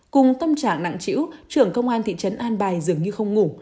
cùng tâm trạng nặng chữ trưởng công an thị trấn an bài dường như không ngủ